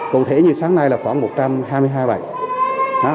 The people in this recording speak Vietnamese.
cụ thể như sáng nay là khoảng một trăm hai mươi hai bài